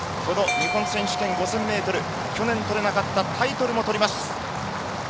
日本選手権５０００ｍ去年取れなかったタイトルも取ります。